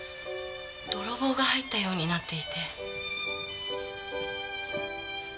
泥棒が入ったようになっていて。